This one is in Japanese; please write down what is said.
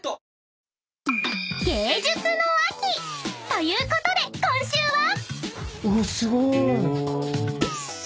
［ということで今週は］